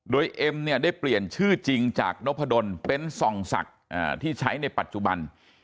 โดยเอ็มเนี่ยได้เปลี่ยนชื่อจริงจากนพดลเป็นส่องศักดิ์ที่ใช้ในปัจจุบัน